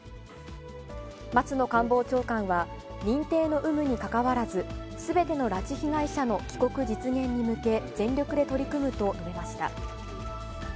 松野官房長官は、認定の有無にかかわらず、すべての拉致被害者の帰国実現に向け、全力で取り組むと述べました。